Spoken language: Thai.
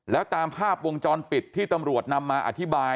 แล้วตามภาพวงจรปิดที่ตำรวจนำมาอธิบาย